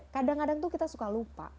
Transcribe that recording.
kadang kadang tuh kita suka lupa